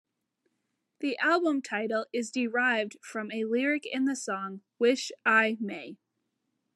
The album title is derived from a lyric in the song, "Wish I May".